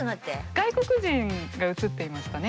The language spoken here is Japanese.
外国人が映っていましたね。